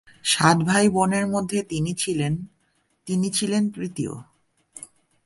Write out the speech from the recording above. সাত ভাই বোনের মধ্যে তিনি ছিলেন তিনি ছিলেন তৃতীয়।